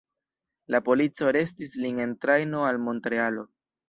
La polico arestis lin en trajno al Montrealo.